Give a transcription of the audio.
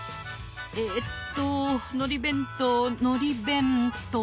えとのり弁当のり弁当。